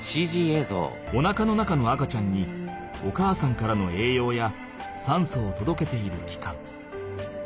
おなかの中の赤ちゃんにお母さんからのえいようやさんそをとどけているきかん。